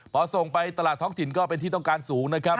พอส่งไปตลาดท้องถิ่นก็เป็นที่ต้องการสูงนะครับ